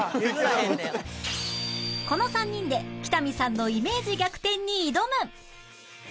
この３人で北見さんのイメージ逆転に挑む